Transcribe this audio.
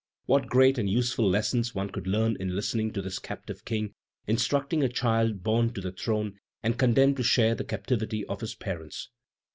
What great and useful lessons one could learn in listening to this captive king instructing a child born to the throne and condemned to share the captivity of his parents."